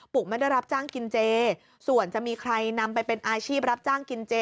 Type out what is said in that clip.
ไม่ได้รับจ้างกินเจส่วนจะมีใครนำไปเป็นอาชีพรับจ้างกินเจ